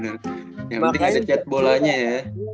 yang penting sejat bolanya ya